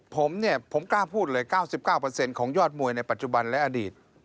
ผมเนี่ยผมกล้าพูดเลย๙๙ของยอดมวยในปัจจุบันและอดีต